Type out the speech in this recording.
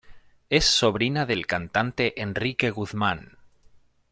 Es sobrina del cantante Enrique Guzmán.